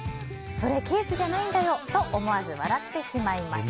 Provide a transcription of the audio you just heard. それケースじゃないんだよと思わず笑ってしまいました。